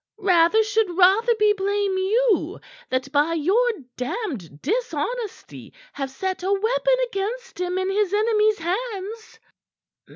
Rather should Rotherby, blame you that by your damned dishonesty have set a weapon against him in his enemy's hands."